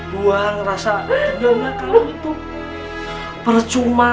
buah ngerasa benar gak kamu itu percuma